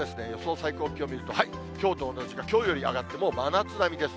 最高気温を見ると、きょうと同じか、きょうより上がって、もう真夏並みです。